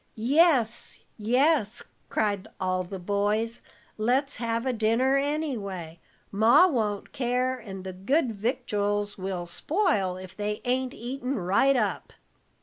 "Yes, yes!" cried all the boys, "let's have a dinner anyway; Ma won't care, and the good victuals will spoil if they ain't eaten right up."